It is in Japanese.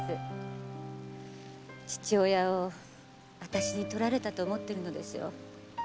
父親を私に取られたと思っているのでしょう。